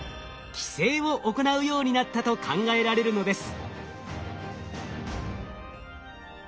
寄生を行うようになったと考えられるのです。